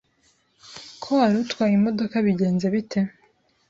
ko wari utwaye imodoka bigenze bite?”